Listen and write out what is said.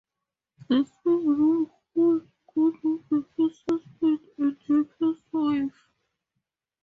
The same rule holds good of the first husband and the first wife.